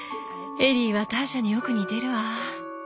エリーはターシャによく似てるわ。